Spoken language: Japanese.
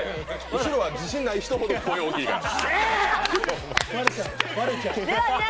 後ろは自信ない人ほど声が大きいから。